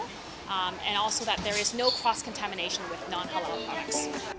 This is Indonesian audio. dan juga bahwa tidak ada kontaminasi berkongsi dengan produk yang tidak terbenam